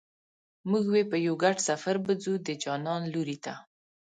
موږ وې په یو ګډ سفر به ځو د جانان لوري ته